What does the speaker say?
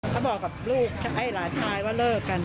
เขาบอกกับลูกให้หลานชายว่าเลิกกัน